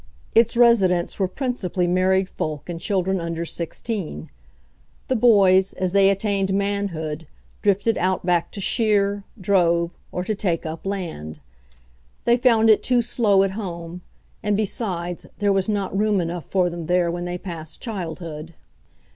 Its residents were principally married folk and children under sixteen. The boys, as they attained manhood, drifted outback to shear, drove, or to take up land. They found it too slow at home, and besides there was not room enough for them there when they passed childhood.